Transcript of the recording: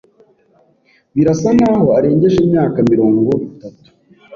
Birasa nkaho arengeje imyaka mirongo itatu.